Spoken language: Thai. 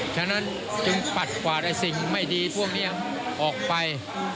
ฉะนั้นจึงปัดกวาดไอ้สิ่งไม่ดีพวกนี้ออกไป